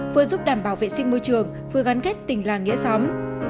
vừa giúp đảm bảo vệ sinh môi trường vừa gắn kết tình làng nghĩa xóm